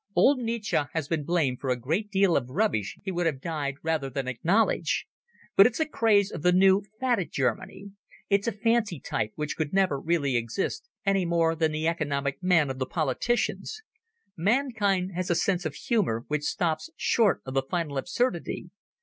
"Old Nietzsche has been blamed for a great deal of rubbish he would have died rather than acknowledge. But it's a craze of the new, fatted Germany. It's a fancy type which could never really exist, any more than the Economic Man of the politicians. Mankind has a sense of humour which stops short of the final absurdity.